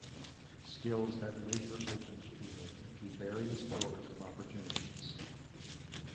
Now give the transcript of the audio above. Skills that later opened to her to various doors of opportunities.